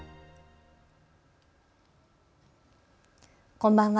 こんばんは。